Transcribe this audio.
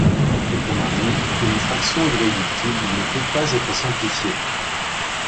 Autrement dit, une fraction irréductible ne peut pas être simplifiée.